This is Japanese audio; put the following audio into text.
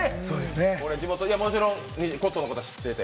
地元ではもちろんコットンのことは知ってて？